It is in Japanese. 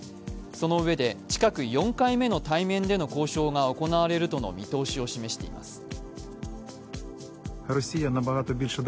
そのうえで近く４回目の対面での交渉が行われるとの見通しを示しています。